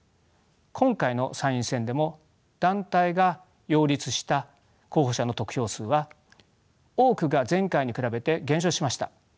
今回の参院選でも団体が擁立した候補者の得票数は多くが前回に比べて減少しました。